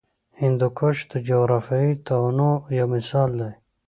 هندوکش د جغرافیوي تنوع یو مثال دی.